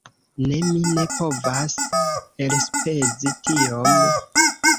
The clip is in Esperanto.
Ne, mi ne povas elspezi tiom.